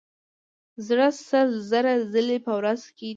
زړه سل زره ځلې په ورځ ټکي.